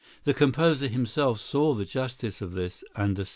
The composer himself saw the justice of this, and assented.